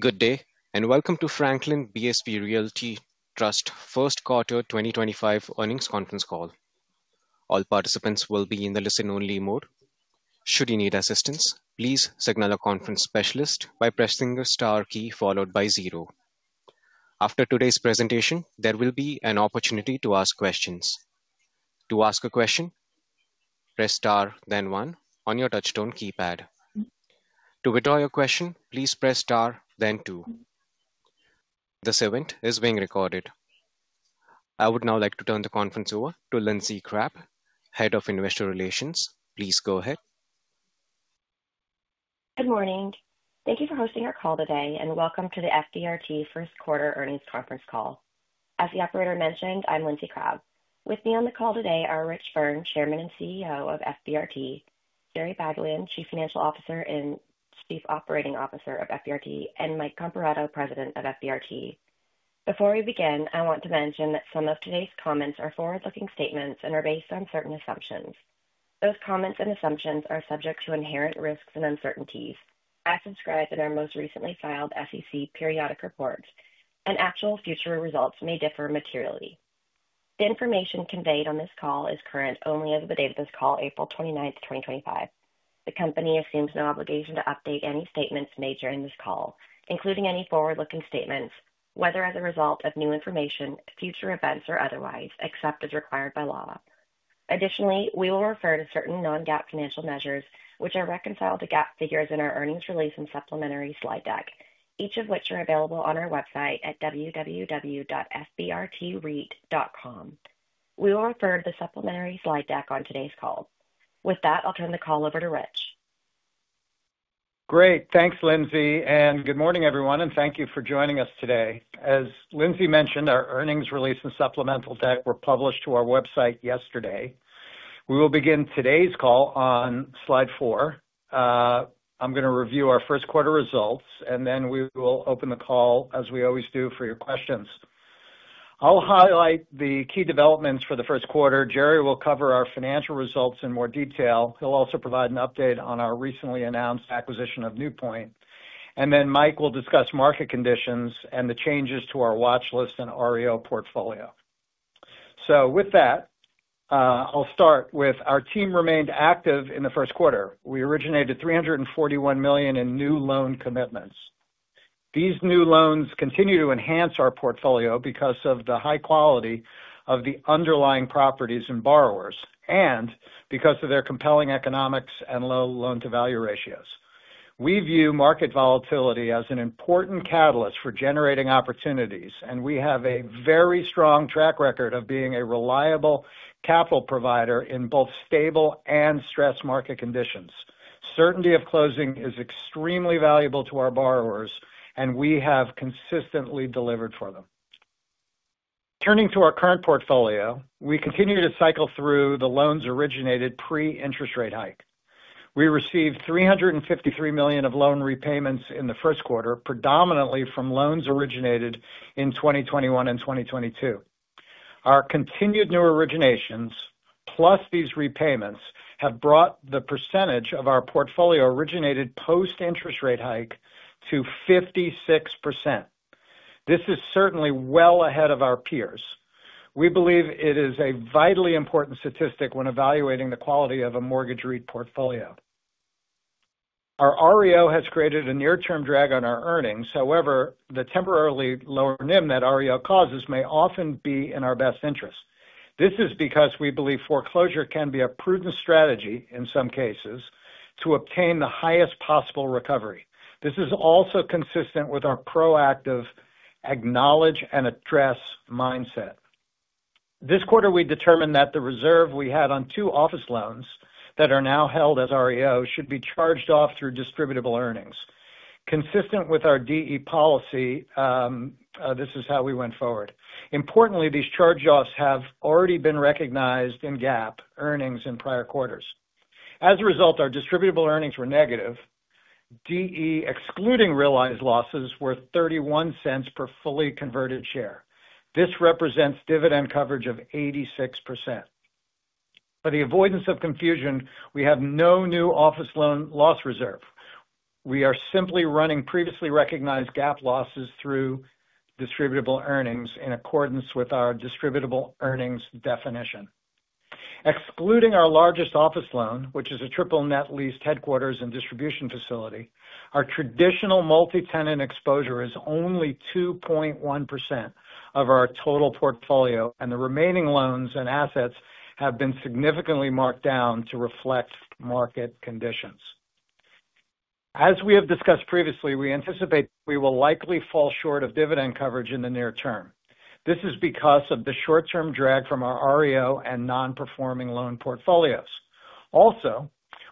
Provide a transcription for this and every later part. Good day and welcome to Franklin BSP Realty Trust Q1 2025 Earnings Conference Call. All participants will be in the listen only mode. Should you need assistance, please signal a conference specialist by pressing the star key followed by zero. After today's presentation, there will be an opportunity to ask questions. To ask a question, press star then one on your touch-tone keypad. To withdraw your question, please press star then two. This event is being recorded. I would now like to turn the conference over to Lindsey Crabbe, Head of Investor Relations. Please go ahead. Good morning. Thank you for hosting our call today and welcome to the FBRT Q1 Earnings Conference call. As the operator mentioned, I'm Lindsey Crabbe. With me on the call today are Rich Byrne, Chairman and CEO of FBRT, Jerry Baglien, Chief Financial Officer and Chief Operating Officer of FBRT, and Mike Comparato, President of FBRT. Before we begin, I want to mention that some of today's comments are forward looking statements and are based on certain assumptions. Those comments and assumptions are subject to inherent risks and uncertainties as described in our most recently filed SEC periodic report and actual future results may differ materially. The information conveyed on this call is current only as of the date of this call, 29 April, 2025. The Company assumes no obligation to update any statements made during this call, including any forward looking statements, whether as a result of new information, future events or otherwise, except as required by law. Additionally, we will refer to certain non-GAAP financial measures which are reconciled to GAAP figures in our earnings release and supplementary slide deck, each of which are available on our website at www.fbrtreit.com. We will refer to the supplementary slide deck on today's call. With that I'll turn the call over to Rich. Great. Thanks, Lindsey. Good morning, everyone, and thank you for joining us today. As Lindsey mentioned, our earnings release and supplemental deck were published to our website yesterday. We will begin today's call on Slide four. I'm going to review our Q1 results, and then we will open the call as we always do for your questions. I'll highlight the key developments for Q1. Jerry will cover our financial results in more detail. He'll also provide an update on our recently announced acquisition of NewPoint. Mike will discuss market conditions and the changes to our watch list and REO portfolio. With that, I'll start with our team remained active in Q1. We originated $341 million in new loan commitments. These new loans continue to enhance our portfolio. Because of the high quality of the underlying properties, borrowers, and because of their compelling economics and low loan-to-value ratios, we view market volatility as an important catalyst for generating opportunities, and we have a very strong track record of being a reliable capital provider in both stable and stress market conditions. Certainty of closing is extremely valuable to our borrowers, and we have consistently delivered for them. Turning to our current portfolio, we continue to cycle through the loans originated pre interest rate hike. We received $353 million of loan repayments in Q1, predominantly from loans originated in 2021 and 2022. Our continued new originations plus these repayments have brought the percentage of our portfolio originated post interest rate hike to 56%. This is certainly well ahead of our peers. We believe it is a vitally important statistic when evaluating the quality of a mortgage REIT portfolio. Our REO has created a near term drag on our earnings. However, the temporarily lower NIM that REO causes may often be in our best interest. This is because we believe foreclosure can be a prudent strategy in some cases to obtain the highest possible recovery. This is also consistent with our proactive acknowledge and address mindset. This quarter we determined that the reserve we had on two office loans that are now held as REO should be charged off through Distributable Earnings consistent with our DE policy. This is how we went forward. Importantly, these charge offs have already been recognized in GAAP earnings in prior quarters. As a result, our Distributable Earnings were negative. DE excluding realized losses were $0.31 per fully converted share. This represents dividend coverage of 86%. For the avoidance of confusion, we have no new office loan loss reserve. We are simply running previously recognized GAAP losses through Distributable Earnings in accordance with our Distributable Earnings definition. Excluding our largest office loan which is a triple net leased headquarters and distribution facility, our traditional multi tenant exposure is only 2.1% of our total portfolio and the remaining loans and assets have been significantly marked down to reflect market conditions. As we have discussed previously, we anticipate we will likely fall short of dividend coverage in the near term. This is because of the short term drag from our REO and non performing loan portfolios. Also,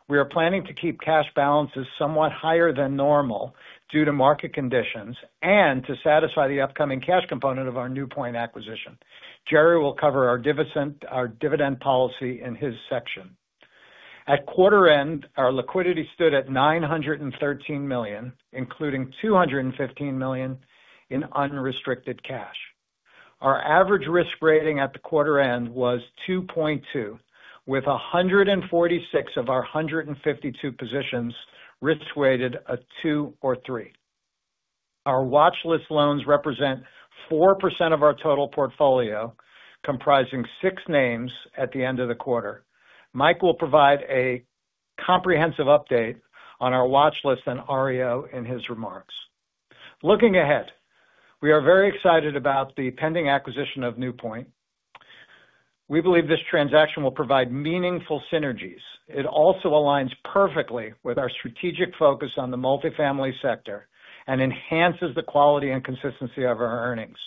we are planning to keep cash balances somewhat higher than normal due to market conditions and to satisfy the upcoming cash component of our NewPoint acquisition. Jerry will cover our dividend policy in his section. At quarter end our liquidity stood at $913 million, including $215 million in unrestricted cash. Our average risk rating at the quarter end was 2.2 with 146 of our 152 positions risk rated a two or three. Our watch list loans represent 4% of our total portfolio comprising six names at the end of the quarter. Mike will provide a comprehensive update on our watch list and REO in his remarks. Looking ahead we are very excited about the pending acquisition of NewPoint. We believe this transaction will provide meaningful synergies. It also aligns perfectly with our strategic focus on the multifamily sector and enhances the quality and consistency of our earnings.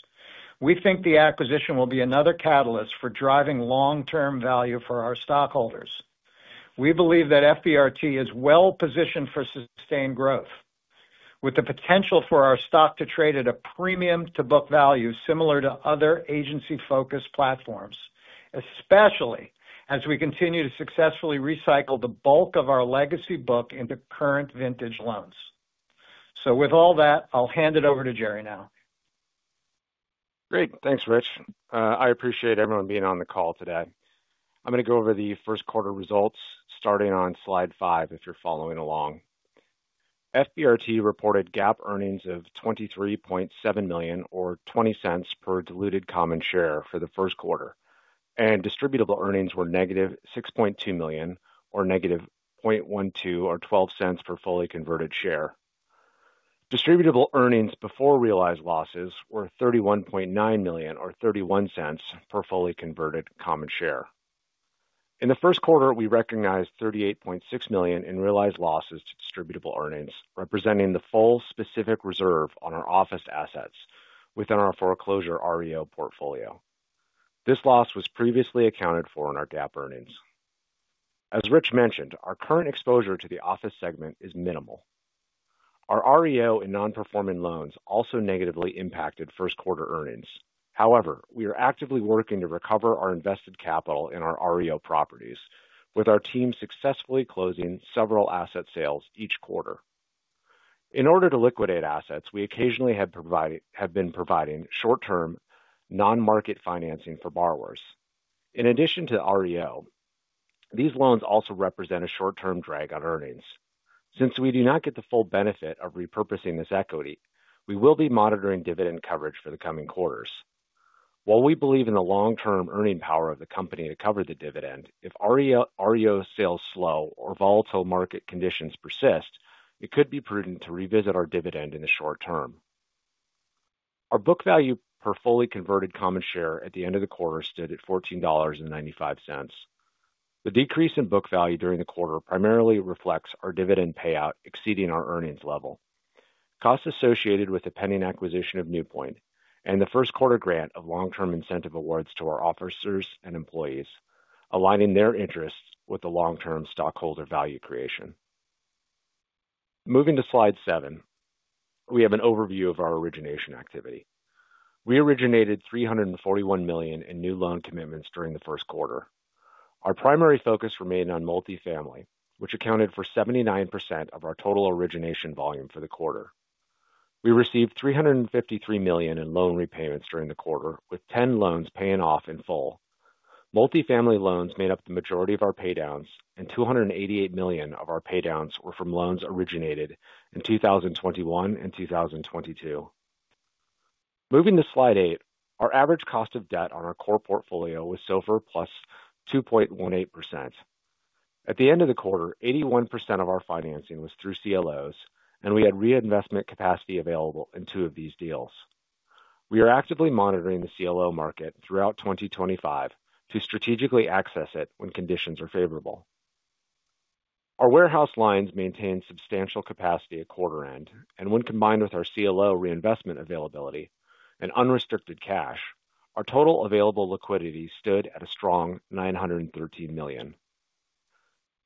We think the acquisition will be another catalyst for driving long term value for our stockholders. We believe that FBRT is well positioned for sustained growth with the potential for our stock to trade at a premium to book value similar to other agency focused platforms, especially as we continue to successfully recycle the bulk of our legacy book into current vintage loans. With all that, I'll hand it. Over to Jerry now. Great. Thanks Rich. I appreciate everyone being on the call today. I'm going to go over Q1 results starting on slide five if you're following along. FBRT reported GAAP earnings of $23.7 million or $0.20 per diluted common share for Q1, and Distributable Earnings were -$6.2 million or -`$0.12 per fully converted share. Distributable Earnings before realized losses were $31.9 million or $0.31 per fully converted common share. In Q1, we recognized $38.6 million in realized losses to Distributable Earnings, representing the full specific reserve on our office assets within our foreclosure REO portfolio. This loss was previously accounted for in our GAAP earnings. As Rich mentioned, our current exposure to the office segment is minimal. Our REO and non-performing loans also negatively impacted Q1 earnings. However, we are actively working to recover our invested capital in our REO properties. With our team successfully closing several asset sales each quarter in order to liquidate assets, we occasionally have been providing short term non market financing for borrowers. In addition to REO, these loans also represent a short term drag on earnings. Since we do not get the full benefit of repurposing this equity, we will be monitoring dividend coverage for the coming quarters. While we believe in the long term earning power of the company to cover the dividend, if REO sales slow or volatile market conditions persist, it could be prudent to revisit our dividend in the short term. Our book value per fully converted common share at the end of the quarter stood at $14.95. The decrease in book value during the quarter primarily reflects our dividend payout exceeding our earnings level, costs associated with the pending acquisition of NewPoint and Q1 grant of long term incentive awards to our officers and employees aligning their interests with the long term stockholder value creation. Moving to slide seven, we have an overview of our origination activity. We originated $341 million in new loan commitments during Q1. Our primary focus remained on multifamily, which accounted for 79% of our total origination volume for the quarter. We received $353 million in loan repayments during the quarter with 10 loans paying off in full. Multifamily loans made up the majority of our paydowns and $288 million of our paydowns were from loans originated in 2021 and 2022. Moving to slide eight, our average cost of debt on our core portfolio was SOFR plus 2.18% at the end of the quarter. 81% of our financing was through CLOs and we had reinvestment capacity available in two of these deals. We are actively monitoring the CLO market throughout 2025 to strategically access it when conditions are favorable. Our warehouse lines maintain substantial capacity at quarter end, and when combined with our CLO reinvestment availability and unrestricted cash, our total available liquidity stood at a strong $913 million.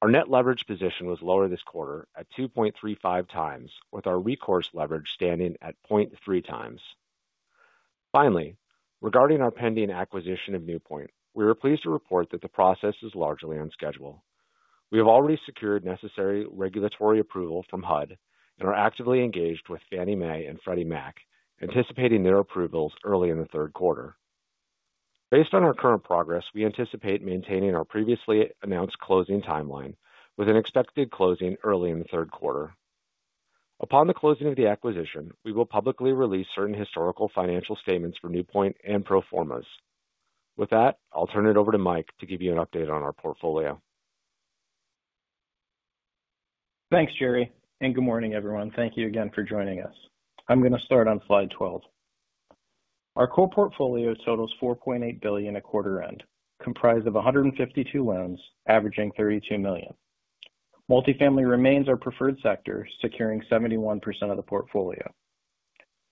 Our net leverage position was lower this quarter at 2.35x, with our recourse leverage standing at 0.3x. Finally, regarding our pending acquisition of NewPoint, we are pleased to report that the process is largely on schedule. We have already secured necessary regulatory approval from HUD and are actively engaged with Fannie Mae and Freddie Mac. Anticipating their approvals early in Q3. Based on our current progress, we anticipate maintaining our previously announced closing timeline with an expected closing early in Q3. Upon the closing of the acquisition, we will publicly release certain historical financial statements for NewPoint and pro formas. With that, I'll turn it over to Mike to give you an update on our portfolio. Thanks, Jerry, and good morning everyone. Thank you again for joining us. I'm going to start on Slide 12. Our core portfolio totals $4.8 billion at quarter end, comprised of 152 loans, averaging $32 million. Multifamily remains our preferred sector, securing 71% of the portfolio.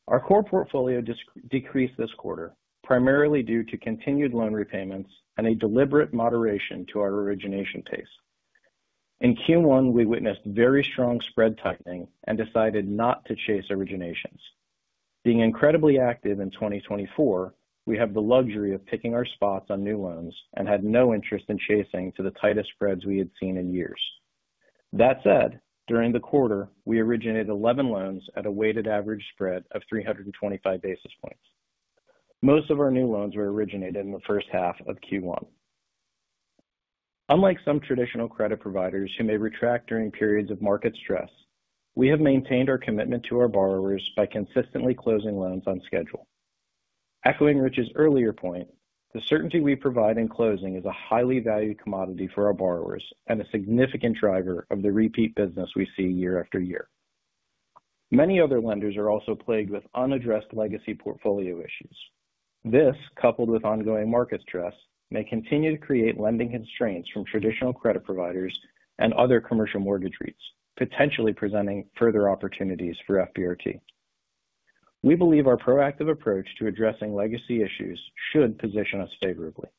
Our core portfolio decreased this quarter primarily due to continued loan repayments and a deliberate moderation to our origination tastes. In Q1, we witnessed very strong spread tightening and decided not to chase originations. Being incredibly active in 2024, we have the luxury of picking our spots on new loans and had no interest in chasing to the tightest spreads we had seen in years. That said, during the quarter we originated 11 loans at a weighted average spread of 325 basis points. Most of our new loans were originated in H1 of Q1. Unlike some traditional credit providers who may retract during periods of market stress, we have maintained our commitment to our borrowers by consistently closing loans on schedule. Echoing Rich's earlier point, the certainty we provide in closing is a highly valued commodity for our borrowers and a significant driver of the repeat business we see year-after-year. Many other lenders are also plagued with unaddressed legacy portfolio issues. This, coupled with ongoing market stress, may continue to create lending constraints from traditional credit providers and other commercial mortgage REITs, potentially presenting further opportunities for FBRT. We believe our proactive approach to addressing legacy issues should position us favorably.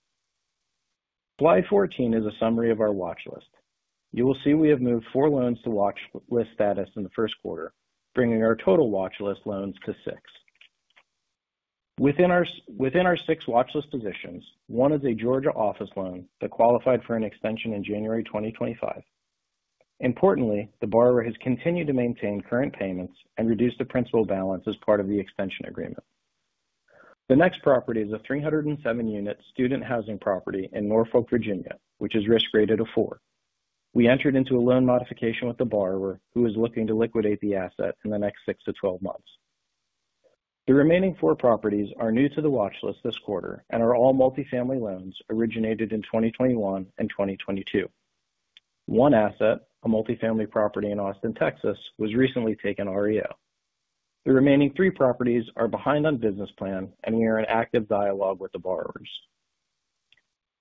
Slide 14 is a summary of our watch list. You will see we have moved four loans to Watch List status in Q1, bringing our total watch list loans to six. Within our six watch list positions, One is a Georgia office loan that qualified for an extension in January 2025. Importantly, the borrower has continued to maintain current payments and reduce the principal balance as part of the extension agreement. The next property is a 307-unit student housing property in Norfolk, Virginia which is risk rated four. We entered into a loan modification with the borrower who is looking to liquidate the asset in the next six to 12 months. The remaining four properties are new to the watch list this quarter and are all multifamily loans originated in 2021 and 2022. One asset, a multifamily property in Austin, Texas, was recently taken REO. The remaining three properties are behind on business plan and we are in active dialogue with the borrowers.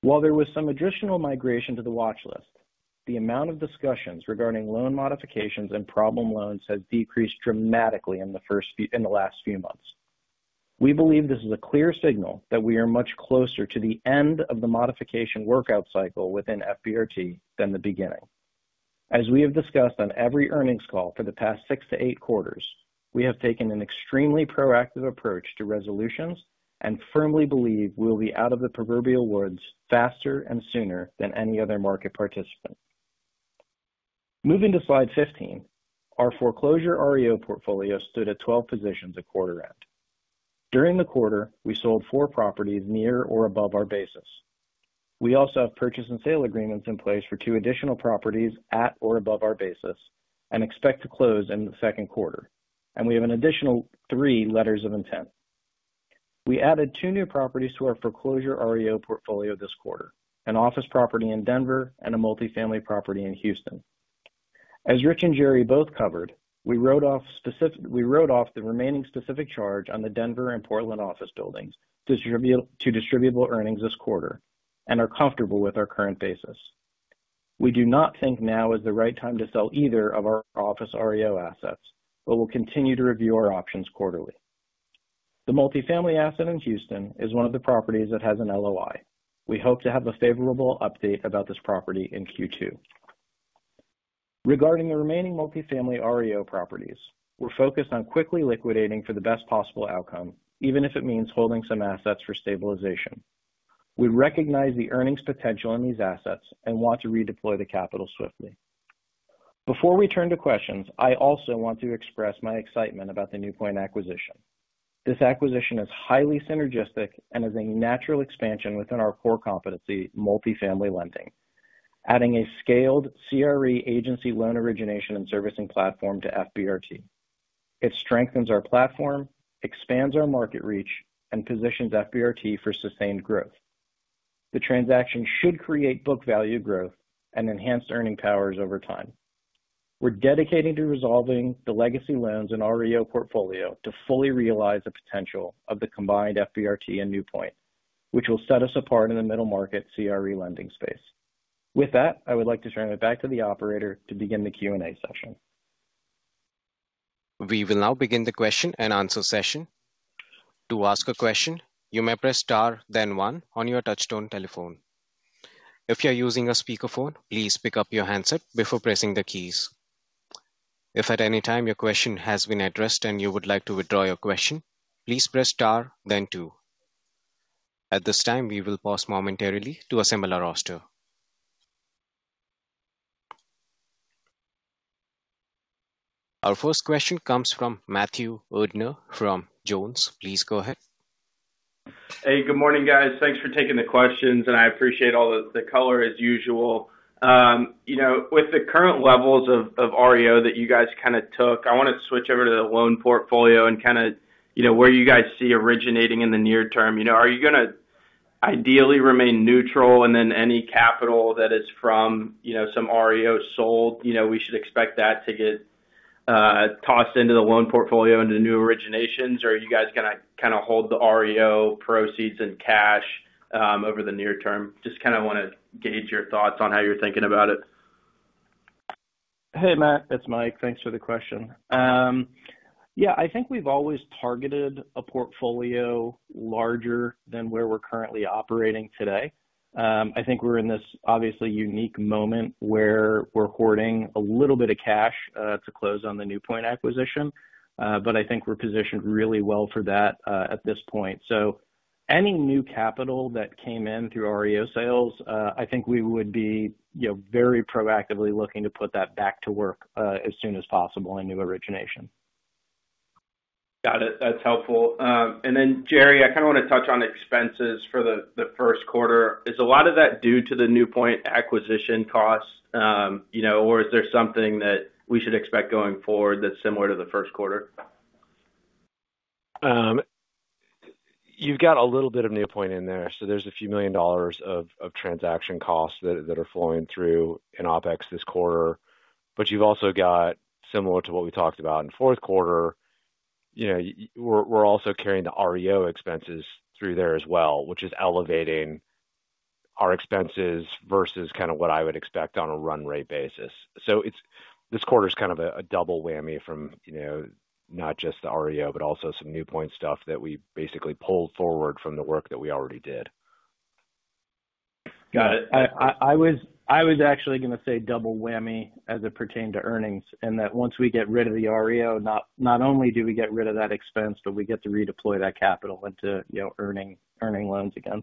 While there was some additional migration to the watch list, the amount of discussions regarding loan modifications and problem loans has decreased dramatically in the last few months. We believe this is a clear signal that we are much closer to the end of the modification workout cycle within FBRT than the beginning. As we have discussed on every earnings call for the past six to eight quarters, we have taken an extremely proactive approach to resolutions and firmly believe we will be out of the proverbial woods faster and sooner than any other market participant. Moving to Slide 15, our foreclosure REO portfolio stood at 12 positions at quarter end. During the quarter, we sold four properties near or above our basis. We also have purchase and sale agreements in place for two additional properties at or above our basis and expect to close in Q2. We have an additional three letters of intent. We added two new properties to our foreclosure REO portfolio this quarter, an office property in Denver and a multifamily property in Houston. As Rich and Jerry both covered, we wrote off the remaining specific charge on the Denver and Portland office buildings to Distributable Earnings this quarter and are comfortable with our current basis. We do not think now is the right time to sell either of our office REO assets, but we will continue to review our options quarterly. The multifamily asset in Houston is one of the properties that has an LOI. We hope to have a favorable update about this property in Q2. Regarding the remaining multifamily REO properties, we are focused on quickly liquidating for the best possible outcome, even if it means holding some assets for stabilization. We recognize the earnings potential in these assets and want to redeploy the capital swiftly. Before we turn to questions, I also want to express my excitement about the NewPoint acquisition. This acquisition is highly synergistic and is a natural expansion within our core competency multifamily lending, adding a scaled CRE agency loan origination and servicing platform to FBRT. It strengthens our platform, expands our market reach and positions FBRT for sustained growth. The transaction should create book value growth and enhanced earning powers over time. We're dedicated to resolving the legacy loans in REO portfolio to fully realize the potential of the combined FBRT and NewPoint which will set us apart in the middle market CRE lending space. With that, I would like to turn it back to the operator to begin the Q&A session. We will now begin the question and answer session. To ask a question, you may press star then one on your touch-tone telephone. If you are using a speakerphone, please pick up your handset before pressing the keys. If at any time your question has been addressed and you would like to withdraw your question, please press star then two. At this time we will pause momentarily to assemble our roster. Our first question comes from Matthew Erdner from Jones. Please go ahead. Hey good morning guys. Thanks for taking the questions and I appreciate all the color as usual. You know, with the current levels of REO that you guys kind of took, I want to switch over to the loan portfolio and kind of, you know where you guys see originating in the near term, you know, are you going to ideally remain neutral and then any capital that is from, you know, some REO sold, you know, we should expect that to get tossed into the loan portfolio into new originations, or are you guys going to kind of hold the REO proceeds and cash over the near term? Just kind of want to gauge your thoughts on how you're thinking about it. Hey, Matt, it's Mike. Thanks for the question. Yeah, I think we've always targeted a portfolio larger than where we're currently operating today. I think we're in this obviously unique moment where we're hoarding a little bit of cash to close on the NewPoint acquisition. I think we're positioned really well for that at this point. Any new capital that came in through REO sales, I think we would be very proactively looking to put that back to work as soon as possible in new origination. Got it. That's helpful. Then, Jerry, I kind of want to touch on expenses for Q1. Is a lot of that due to the NewPoint acquisition cost, or is there something that we should expect going forward that's similar to Q1? You've got a little bit of NewPoint in there. There are a few million dollars of transaction costs that are flowing through in OpEx this quarter. You also have, similar to what we talked about in Q4. We're also carrying the REO expenses through there as well, which is elevating our expenses versus kind of what I would expect on a run rate basis. This quarter is kind of a double whammy from, you know, not just the REO, but also some NewPoint stuff that we basically pulled forward from the work that we already did. Got it. I was actually going to say double whammy as it pertained to earnings and that once we get rid of the REO, not only do we get rid of that expense, but we get to redeploy that capital into earning loans again.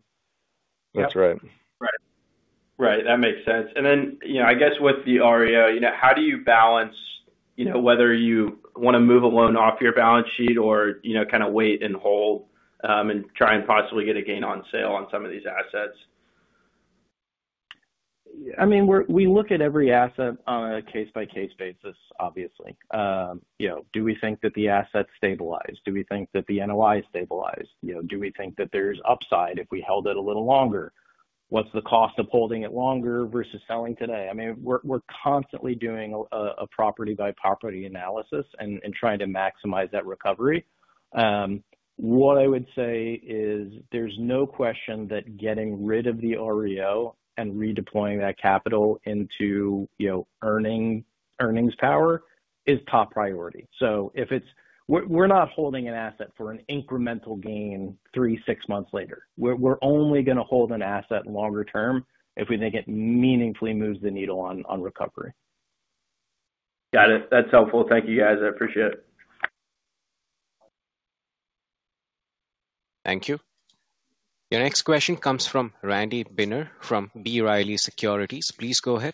That's right. Right. That makes sense. I guess with the REO, how do you balance whether you want to move a loan off your balance sheet or kind of wait and hold and try and possibly get a gain on sale on some of these assets? I mean, we look at every asset on a case by case basis. Obviously. Do we think that the asset is stabilized? Do we think that the NOI is stabilized? Do we think that there is upside if we held it a little longer? What is the cost of holding it longer versus selling today? I mean, we are constantly doing a property by property analysis and trying to maximize that recovery. What I would say is there is no question that getting rid of the REO and redeploying that capital into earnings power is top priority. If we're not holding an asset for an incremental gain three, six months later, we're only going to hold an asset longer term if we think it meaningfully moves the needle on recovery. Got it. That's helpful. Thank you guys. I appreciate it. Thank you. Your next question comes from Randy Binner from B. Riley Securities. Please go ahead.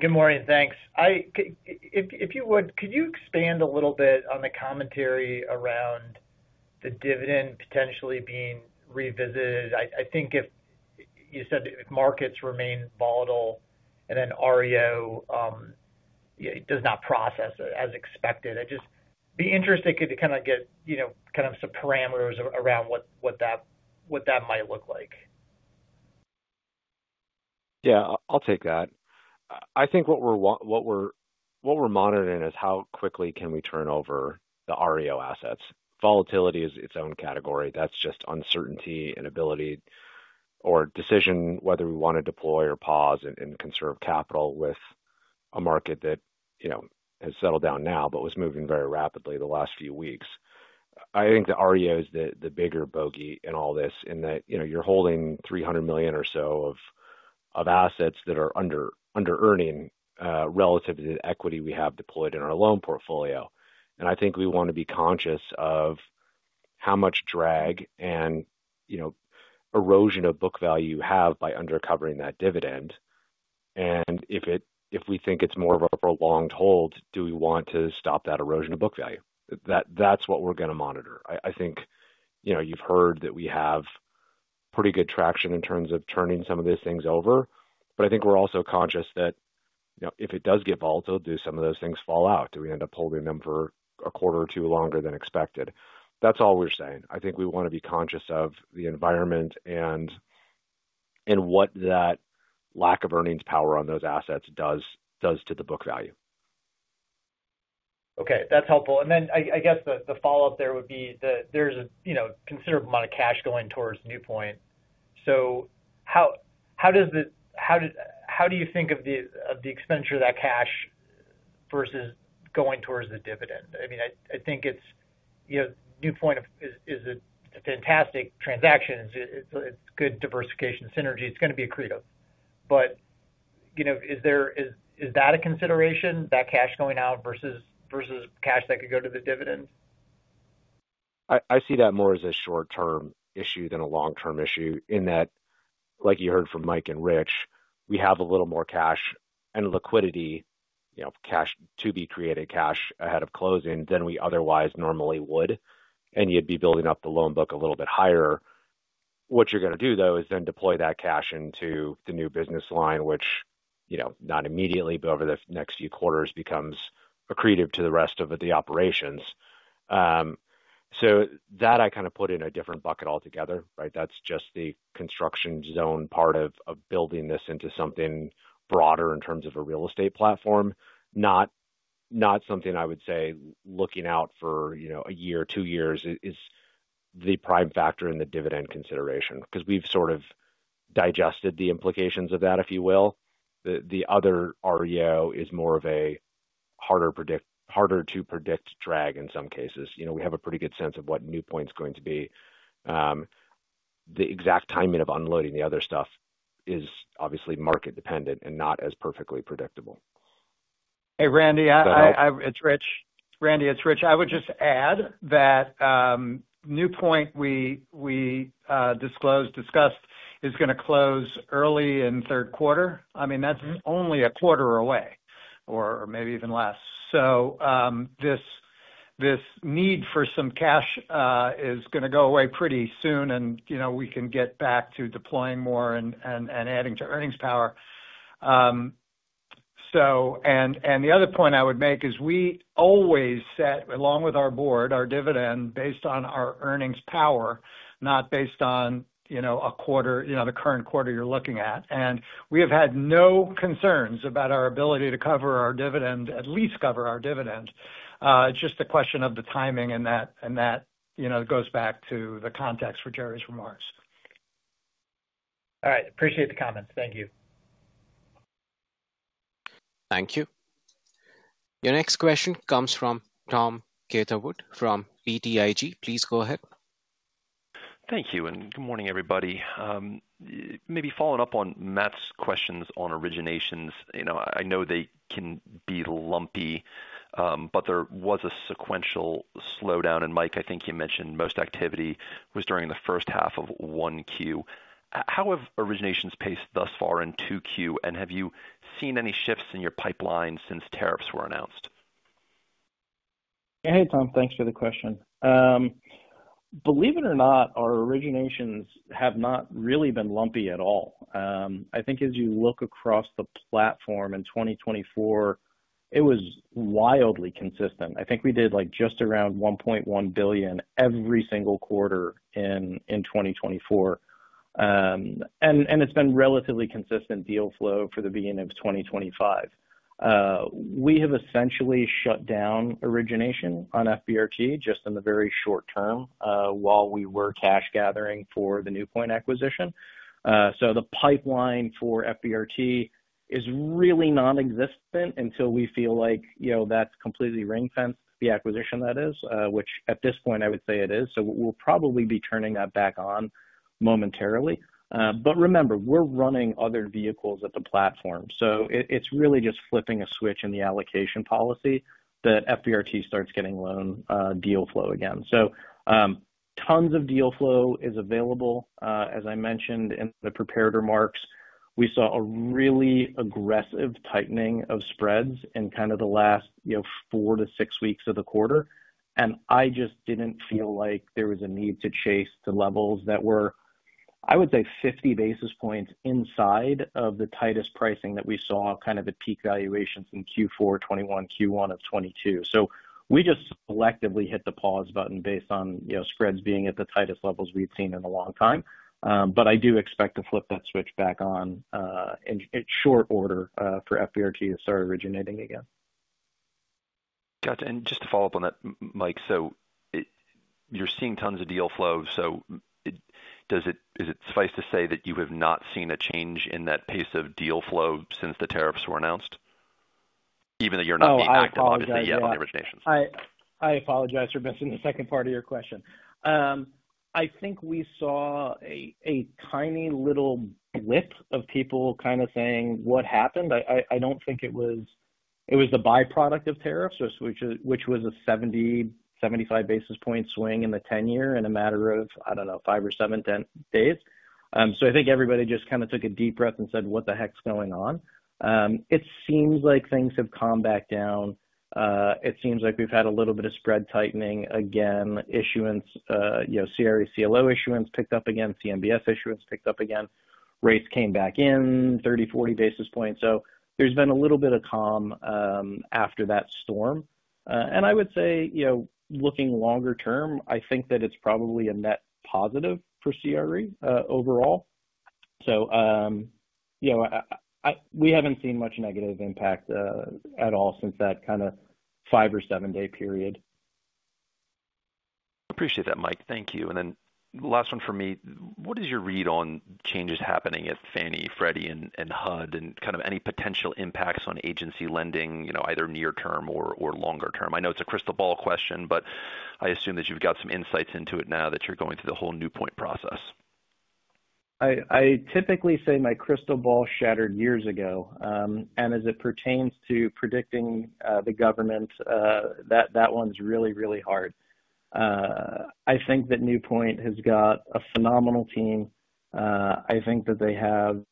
Good morning. Thanks. If you would, could you expand a little bit on the commentary around the dividend potentially being revisited? I think if you said markets remain volatile and then REO does not process. As expected, I just be interested to kind of get kind of some parameters. Around what that might look like. Yeah, I'll take that. I think what we're monitoring is how quickly can we turn over the REO assets. Volatility is its own category. That's just uncertainty and ability or decision whether we want to deploy or pause and conserve capital with a market that has settled down now but was moving very rapidly the last few weeks. I think the REO is the bigger bogey in all this in that you're holding $300 million or so of assets that are under-earnings relative to the equity we have deployed in our loan portfolio. I think we want to be conscious of how much drag and erosion of book value we have by undercovering that dividend. If we think it's more of a prolonged hold, do we want to stop that erosion of book value? That's what we're going to monitor. I think you've heard that we have pretty good traction in terms of turning some of these things over. I think we're also conscious that if it does get volatile, do some of those things fall out? Do we end up holding them for a quarter or two longer than expected? That's all we're saying. I think we want to be conscious of the environment and what that lack of earnings power on those assets does to the book value. Okay, that's helpful. I guess the follow up. There would be a considerable amount of cash going towards NewPoint. How do you think of the expenditure of that cash versus going towards the dividend? I mean, I think it's NewPoint is a fantastic transaction. It's good diversification, synergy. It's going to be accretive. Is that a consideration, that cash going out versus cash that could go to the dividend? I see that more as a short term issue than a long term issue in that, like you heard from Mike and Rich, we have a little more cash and liquidity to be created cash ahead of closing than we otherwise normally would. You'd be building up the loan book a little bit higher. What you're going to do though is then deploy that cash into the new business line, which not immediately, but over the next few quarters becomes accretive to the rest of the operations. I kind of put that in a different bucket altogether. Right. That's just the construction zone part of building this into something broader in terms of a real estate platform. Not. Not something I would say looking out for, you know, a year, two years is the prime factor in the dividend consideration because we've sort of digested the implications of that, if you will. The other REO is more of a harder to predict drag in some cases. We have a pretty good sense of what NewPoint is going to be. The exact timing of unloading the other stuff is obviously market dependent and not as perfectly predictable. Hey, Randy, it's Rich. I would just add that NewPoint we disclosed discussed is going to close early in Q3. I mean, that's only a quarter away or maybe even less. This need for some cash is going to go away pretty soon and we can get back to deploying more and adding to earnings power. The other point I would make is we always set along with our board our dividend based on our earnings power, not based on a quarter. The current quarter you're looking at. We have had no concerns about our ability to cover our dividend, at least cover our dividend. It's just a question of the timing and that. That, you know, goes back to the context for Jerry's remarks. All right, appreciate the comments. Thank you. Thank you. Your next question comes from Tom Catherwood from BTIG. Please go ahead. Thank you. And good morning everybody. Maybe following up on Matt's questions on originations. You know, I know they can be lumpy, but there was a sequential slowdown. Mike, I think you mentioned most activity was during H1 of Q1. How have originations paced thus far in Q2? Have you seen any shifts in your pipeline since tariffs were announced? Hey, Tom, thanks for the question. Believe it or not, our originations have not really been lumpy at all. I think as you look across the platform in 2024, it was wildly consistent. I think we did like just around $1.1 billion every single quarter in 2024 and it has been relatively consistent deal flow for the beginning of 2025. We have essentially shut down origination on FBRT just in the very short term while we were cash gathering for the NewPoint acquisition. The pipeline for is really non existent until we feel like that's completely ring fenced the acquisition that is, which at this point I would say it is. We'll probably be turning that back on momentarily. Remember, we're running other vehicles at the platform, so it's really just flipping a switch in the allocation policy that FBRT starts getting loan deal flow again. Tons of deal flow is available. As I mentioned in the prepared remarks, we saw a really aggressive tightening of spreads in kind of the last four to six weeks of the quarter. I just didn't feel like there was a need to chase to levels that were, I would say, 50 basis points inside of the tightest pricing that we saw kind of at peak valuations in Q4 2021, Q1 of 2022. We just collectively hit the pause button based on spreads being at the tightest levels we've seen in a long time. I do expect to flip that switch back on in short order for FBRT to start originating again. Gotcha. Just to follow up on that, Mike, you're seeing tons of deal flow. Is it suffice to say that you have not seen a change in that pace of deal flow since the tariffs were announced, even though you're not being active obviously yet on the originations? I apologize for missing the second part of your question. I think we saw a tiny little blip of people kind of saying what happened? I don't think it was. It was the byproduct of tariffs, which was a 70-75 basis point swing in the 10 year in a matter of, I don't know, five or seven, 10 days. I think everybody just kind of took a deep breath and said, what the heck's going on? It seems like things have calmed back down. It seems like we've had a little bit of spread tightening again. Issuance, you know, CRE, CMBS issuance picked up again. CMBS issuance picked up again. Rates came back in 30, 40 basis points. There has been a little bit of calm after that storm. I would say, you know, looking longer term, I think that it's probably a net positive for CRE overall. You know we haven't seen much negative impact at all since that five or seven day period. Appreciate that, Mike. Thank you. Last one for me. What is your read on changes happening at Fannie, Freddie and HUD and any potential impacts on agency lending either near term or longer term? I know it's a crystal ball question, but I assume that you've got some insights into it now that you're going through the whole NewPoint process. I typically say my crystal ball shattered years ago. As it pertains to predicting the government, that one's really, really hard. I think that NewPoint has got a phenomenal team. I think that they have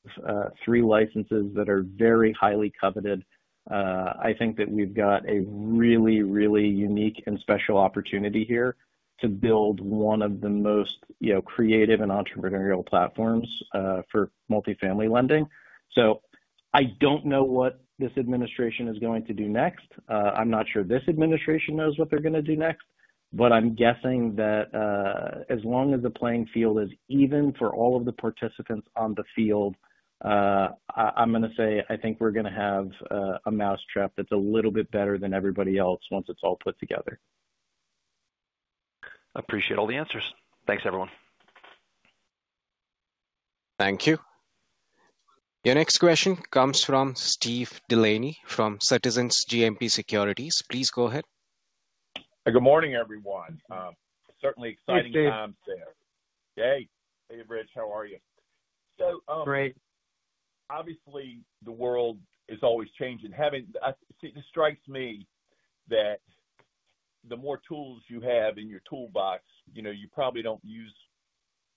three licenses that are very highly coveted. I think that we've got a really, really unique and special opportunity here to build one of the most creative and entrepreneurial platforms for multifamily lending. I don't know what this administration is going to do next. I'm not sure this administration knows what they're going to do next. I'm guessing that as long as the playing field is even for all of the participants on the field, I'm going to say I think we're going to have a mousetrap that's a little bit better than everybody else once it's all put together. Appreciate all the answers. Thanks everyone. Thank you. Your next question comes from Steve Delaney from Citizens JMP Securities. Please go ahead. Good morning everyone. Certainly exciting times there. Hey Rich, how are you? So great. Obviously the world is always changing. Having it strikes me that the more tools you have in your toolbox, you know, you probably don't use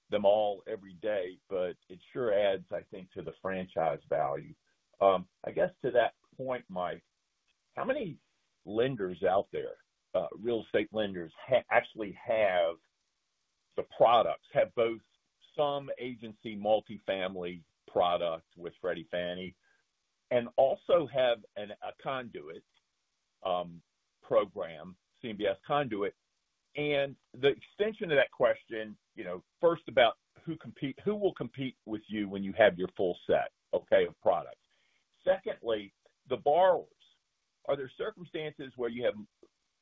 them all every day but it sure adds I think to the franchise value. I guess to that point. Mike, how many lenders out there, real estate lenders actually have the products, have both some agency multifamily product with Freddie, Fannie, and also have a conduit program, CMBS conduit. The extension of that question, you know, first about who compete, who will compete with you when you have your full set, okay, of products. Secondly, the borrowers, are there circumstances where you have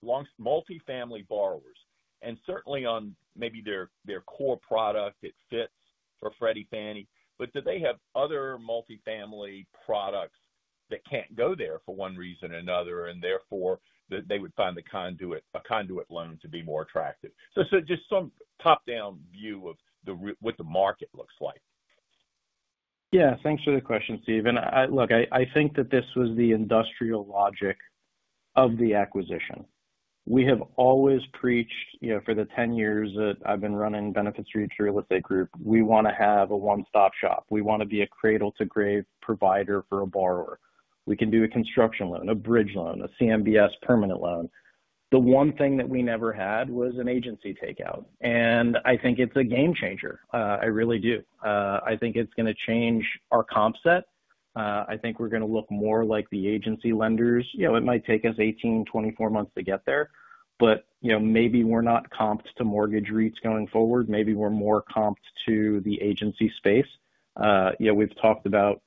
long multifamily borrowers and certainly on maybe their core, core product it fits for Freddie, Fannie, but do they have other multifamily products that can't go there for one reason or another and therefore they would find a conduit loan. To be more attractive. Just some top down view of what the market looks like. Yeah, thanks for the question Steve. Look, I think that this was the industrial logic of the acquisition. We have always preached for the 10 years that I've been running Benefit Street Real Estate Group. We want to have a one stop shop. We want to be a cradle to grave provider for a borrower. We can do a construction loan, a bridge loan, a CMBS permanent loan. The one thing that we never had was an agency takeout. I think it's a game changer. I really do. I think it's going to change our comp set. I think we're going to look more like the agency lenders. It might take us 18-24 months to get there, but maybe we're not comped to mortgage REITs going forward. Maybe we're more comped to the agency space. We've talked about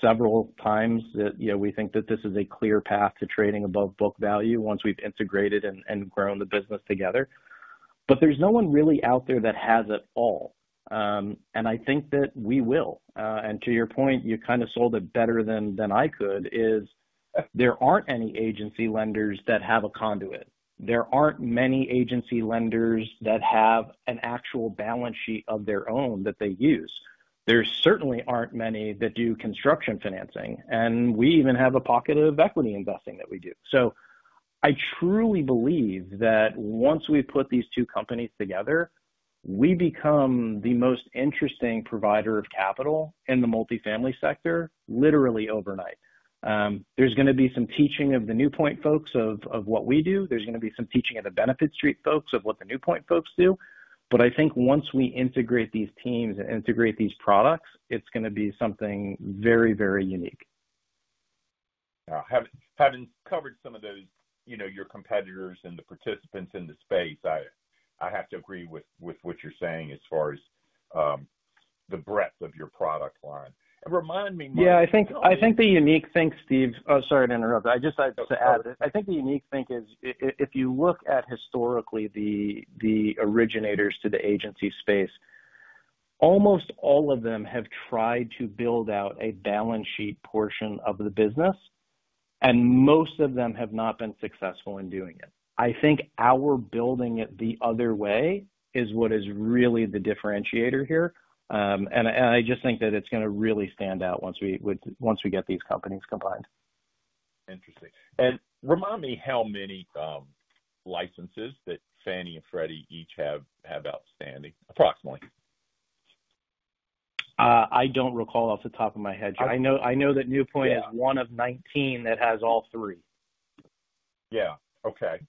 several times that we think that this is a clear path to trading above book value once we've integrated and grown the business together. There is no one really out there that has it all. I think that we will. To your point, you kind of sold it better than I could is there aren't any agency lenders that have a conduit. There aren't many agency lenders that have an actual balance sheet of their own that they use. There certainly aren't many that do construction financing and we even have a pocket of equity investing that we do. I truly believe that once we put these two companies together, we become the most interesting provider of capital in the multifamily sector. Literally overnight. There is going to be some teaching of the NewPoint folks of what we do. There is going to be some teaching of the Benefit Street folks of what the NewPoint folks do. I think once we integrate these teams and integrate these products, it is going to be something very, very unique. Having covered some of those, you know, your competitors and the participants in the space, I have to agree with what you are saying as far as the breadth of your product line. Remind me. I think the unique thing, Steve, sorry to interrupt. I just think the unique thing is if you look at historically the originators to the agency space, almost all of them have tried to build out a balance sheet portion of the business and most of them have not been successful in doing it. I think our building it the other way is what is really the differentiator here. I just think that it's going to really stand out once we get these companies combined. Interesting. Remind me how many licenses Fannie and Freddie each have outstanding, approximately. I don't recall off the top of my head. I know that NewPoint is one of 19 that has all three. Yeah. Okay.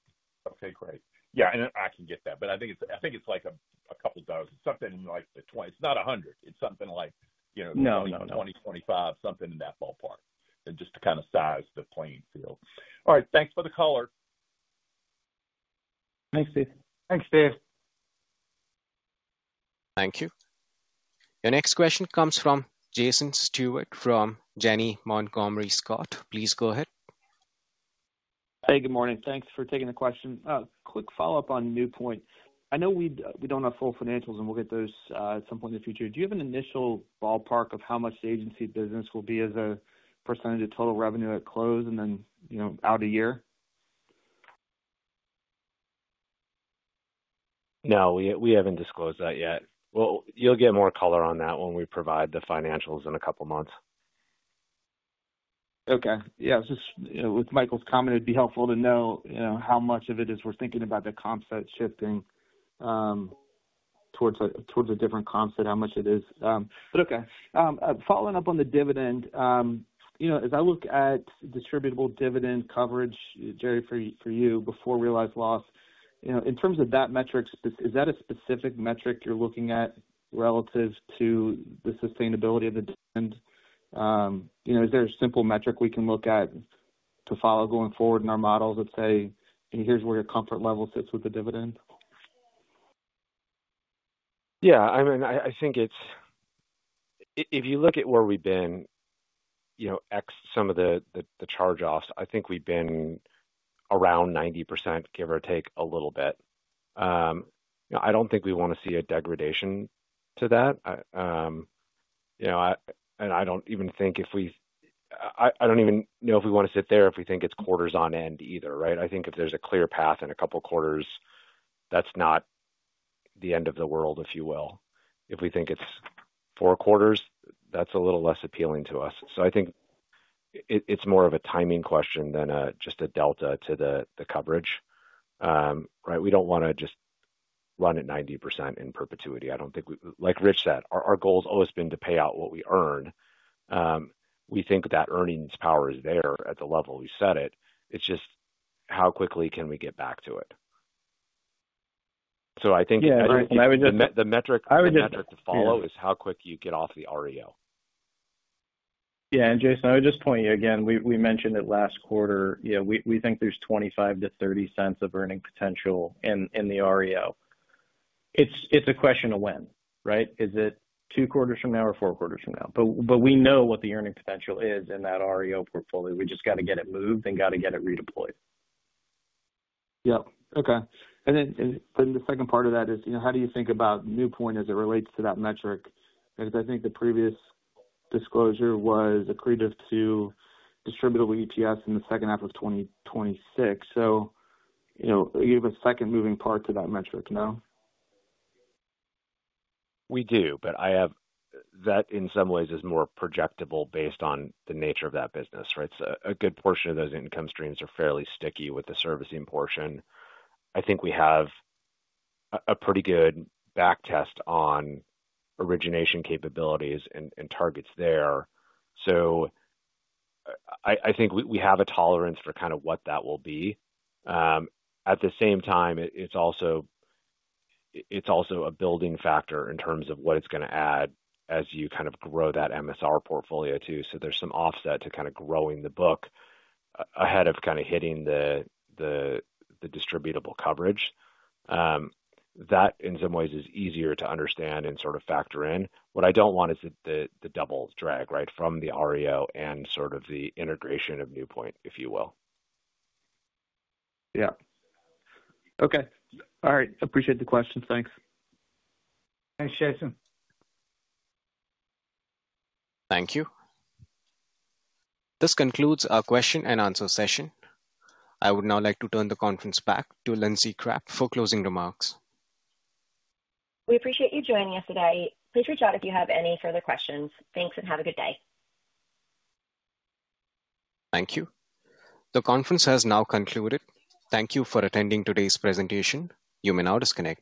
Okay, great. Yeah. I can get that, but I think it's like a couple dozen. Something like 20. It's not 100. It's something like, you know, 20, 25, something in that ballpark, just to kind of size the playing field. All right. Thanks for the color. Thanks, Steve. Thanks, Steve. Thank you. The next question comes from Jason Stewart from Janney Montgomery Scott, please. Go ahead. Hey, good morning. Thanks for taking the question. Quick follow up on NewPoint. I know we don't have full financials, and we'll get those at some point in the future. Do you have an initial ballpark of how much the agency business will be as a percentage of total revenue at close and then, you know, out a year? No, we haven't disclosed that yet. You will get more color on that when we provide the financials in a couple months. Okay. Yeah. Just with Michael's comment, it'd be helpful to know how much of it is we're thinking about the comps that shifting towards a different composite, how much it is following up on the dividend. You know, as I look at distributable dividend coverage, Jerry, for you, before realized loss, you know, in terms of that metric, is that a specific metric you're looking at relative to the sustainability of the dividend? Is there a simple metric we can look at to follow going forward in our models that say here's where your comfort level sits with the dividend? Yeah. I mean, I think it's. If you look at where we've been, X some of the charge offs, I think we've been around 90%, give or take a little bit. I don't think we want to see a degradation to that. I don't even think if we. I don't even know if we want to sit there if we think it's quarters on end either. Right. I think if there's a clear path in a couple quarters, that's not the end of the world, if you will. If we think it's four quarters, that's a little less appealing to us. I think it's more of a timing question than just a delta to the coverage. Right. We don't want to just run at 90% in perpetuity. I don't think we, like Rich said, our goal's always been to pay out what we earn. We think that earnings power is there at the level we set it. It's just how quickly can we get back to it?I think the metric to follow. Is how quick you get off the REO. Yeah. Jason, I would just point you again. We mentioned it last quarter. We think there is $0.25 to 0.30 of earning potential in REO. It is a question of when. Right. Is it two quarters from now or four quarters from now? We know what the earning potential is in that REO portfolio. We just got to get it moved. Got to get it redeployed. Yep. Okay. The second part of that is, you know, how do you think about NewPoint as it relates to that metric? Because I think the previous disclosure was accretive to distributable EPS in H2 of 2026. You have a second moving part to that metric now? We do. That in some ways is more projectable based on the nature of that business. A good portion of those income streams are fairly sticky with the servicing portion. I think we have a pretty good back test on origination capabilities and targets there. I think we have a tolerance for kind of what that will be. At the same time, it's also a building factor in terms of what it's going to add as you kind of grow that MSR portfolio, too. There is some offset to kind of growing the book ahead of kind of hitting the distributable coverage that in some ways is easier to understand and sort of factor in. What I do not want is the double drag right from the REO and sort of the integration of NewPoint, if you will. Yeah. Okay. All right. Appreciate the question. Thanks. Thanks, Jason. Thank you. This concludes our question and answer session. I would now like to turn the conference back to Lindsey Crabbe for closing remarks. We appreciate you joining us today. Please reach out if you have any further questions. Thanks and have a good day. Thank you. The conference has now concluded. Thank you for attending today's presentation. You may now disconnect.